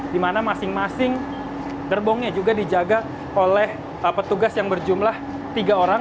di mana masing masing gerbongnya juga dijaga oleh petugas yang berjumlah tiga orang